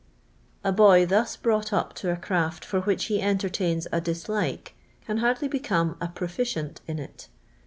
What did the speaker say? A boy thus brought up to a craft for which he entertains a dislike can hardly become a proHcient in it.